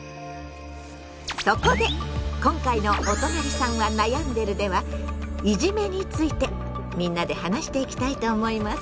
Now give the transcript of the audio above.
そこで今回の「おとなりさんはなやんでる。」ではいじめについてみんなで話していきたいと思います。